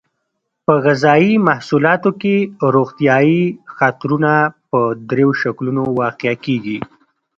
په غذایي محصولاتو کې روغتیایي خطرونه په دریو شکلونو واقع کیږي.